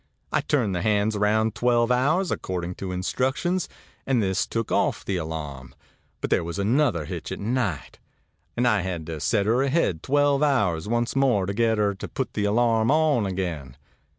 I turned the hands around twelve hours, according to instructions, and this took off the alarm; but there was another hitch at night, and I had to set her ahead twelve hours once more to get her to put the alarm on again.